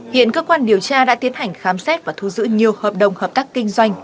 hiện cơ quan điều tra đã tiến hành khám xét và thu giữ nhiều hợp đồng hợp tác kinh doanh